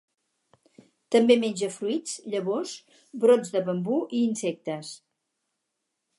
També menja fruits, llavors, brots de bambú i insectes.